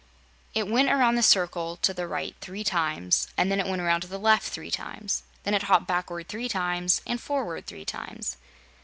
It went around the circle to the right three times, and then it went around to the left three times. Then it hopped backward three times and forward three times.